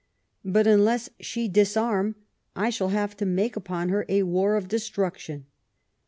But, unless she disarm, I shall have to make upon her a war of destruction."